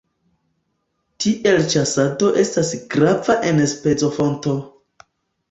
Tiele ĉasado estas grava enspezofonto.